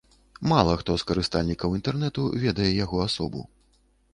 Мала хто з карыстальнікаў інтэрнэту ведае яго асобу.